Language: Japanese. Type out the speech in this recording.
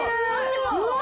うわ！